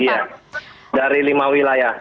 iya dari lima wilayah